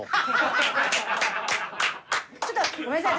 ちょっとごめんなさい。